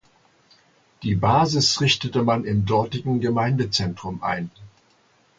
Die Basis richtete man im dortigen Gemeindezentrum ein.